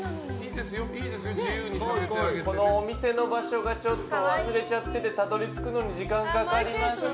このお店の場所がちょっと忘れちゃっててたどり着くのに時間がかかりました。